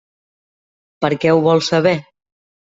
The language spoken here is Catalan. Per què ho vols saber?